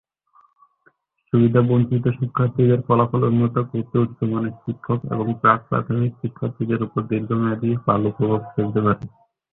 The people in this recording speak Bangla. সুবিধাবঞ্চিত শিক্ষার্থীদের ফলাফল উন্নত করতে উচ্চমানের শিক্ষক এবং প্রাক-প্রাথমিক শিক্ষার্থীদের উপর দীর্ঘমেয়াদী ভালো প্রভাব ফেলতে পারে।